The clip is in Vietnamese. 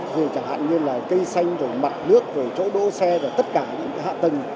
rồi chẳng hạn như là cây xanh rồi mặt nước rồi chỗ đỗ xe rồi tất cả những cái hạ tầng